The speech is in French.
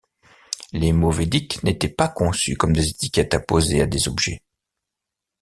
Les mots védiques n'étaient pas conçus comme des étiquettes apposées à des objets.